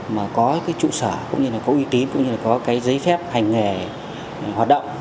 mà có cái trụ sở cũng như là có uy tín cũng như là có cái giấy phép hành nghề hoạt động